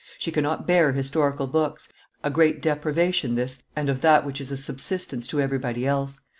She cannot bear historical books; a great deprivation this, and of that which is a subsistence to everybody else.